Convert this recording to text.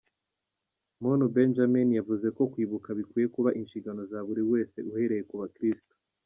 Muntu Benjamin, yavuze ko kwibuka bikwiye kuba inshingano za buri wese uhereye ku bakirisitu.